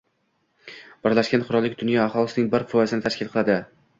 Birlashgan Qirollik dunyo aholisining bir foizini tashkil qiladi